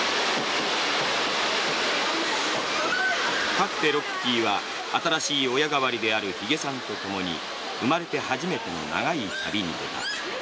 かくてロッキーは新しい親代わりであるヒゲさんとともに生まれて初めての長い旅に出る。